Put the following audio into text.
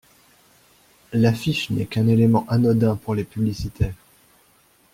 L’affiche n’est qu’un élément anodin pour les publicitaires.